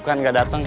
karena kamu berniaga